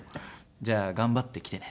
「じゃあ頑張ってきてね」